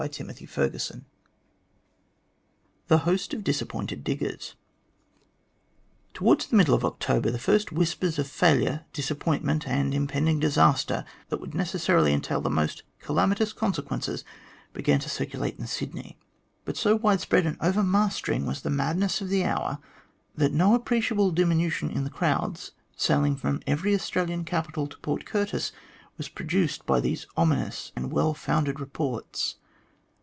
CHAPTEE XI THE HOST OF DISAPPOINTED DIGGERS TOWARDS the middle of October the first whispers of failure, disappointment, and an impending disaster, that would necessarily entail the most calamitous consequences, began to circulate in Sydney ; but so widespread and over mastering was the madness of the hour, that no appreciable diminution in the crowds sailing from every Australian capital to Port Curtis was produced by these ominous and well founded reports.